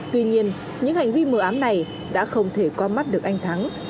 tuy nhiên những hành vi mờ ám này đã không thể qua mắt được anh thắng